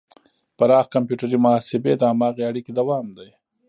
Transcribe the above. پراخ کمپیوټري محاسبې د هماغې اړیکې دوام دی.